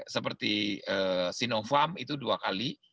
seperti sinopharm itu dua kali